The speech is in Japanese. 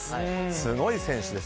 すごい選手です。